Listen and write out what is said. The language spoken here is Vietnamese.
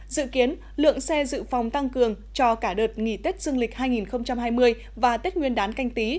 dự kiến lượng xe dự phòng tăng cường cho cả đợt nghỉ tết dương lịch hai nghìn hai mươi và tết nguyên đán canh tí